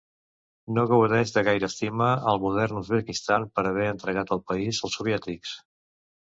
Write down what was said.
No gaudeix de gaire estima al modern Uzbekistan per haver entregat el país als soviètics.